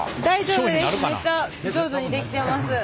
大丈夫です。